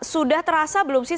sudah terasa belum sih